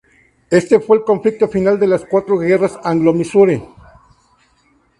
Este fue el conflicto final de las cuatro guerras anglo-mysore.